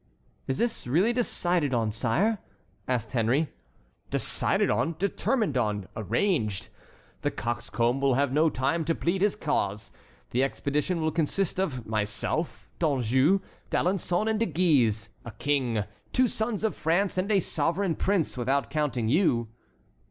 "Is this really decided on, sire?" asked Henry. "Decided on, determined on, arranged. The coxcomb will have no time to plead his cause. The expedition will consist of myself, D'Anjou, D'Alençon, and De Guise—a king, two sons of France, and a sovereign prince, without counting you."